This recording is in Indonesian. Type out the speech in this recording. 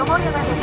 nomor yang ada di